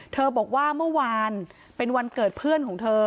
บอกว่าเมื่อวานเป็นวันเกิดเพื่อนของเธอ